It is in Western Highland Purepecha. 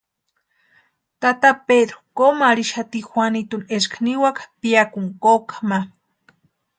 Tata Pedru komu arhixati Juanitu eska niwaka piakuni koka ma.